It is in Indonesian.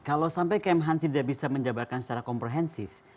kalau sampai kemhan tidak bisa menjabarkan secara komprehensif